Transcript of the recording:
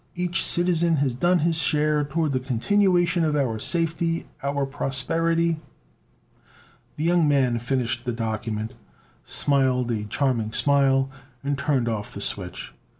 Each citizen has done his share toward the continuation of our safety, our prosperity...." The young man finished the document, smiled a charming smile, and turned off the switch.